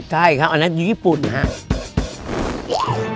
ใช่ครับอันนั้นญี่ปุ่นนะครับ